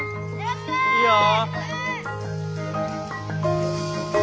いいよ。